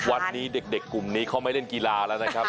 วันนี้เด็กกลุ่มนี้เขาไม่เล่นกีฬาแล้วนะครับ